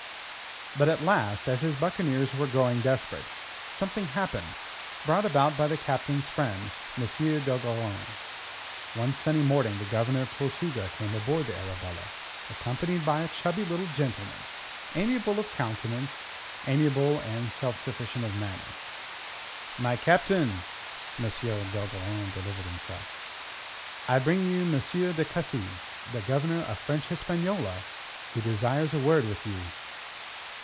But at last, as his buccaneers were growing desperate, something happened, brought about by the Captain's friend M. d'Ogeron. One sunny morning the Governor of Tortuga came aboard the Arabella, accompanied by a chubby little gentleman, amiable of countenance, amiable and self sufficient of manner. "My Captain," M. d'Ogeron delivered himself, "I bring you M. de Cussy, the Governor of French Hispaniola, who desires a word with you."